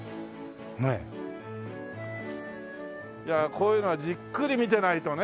こういうのはじっくり見てないとね。